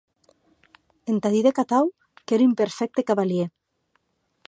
Entà didè’c atau, qu’ère un perfècte cavalièr.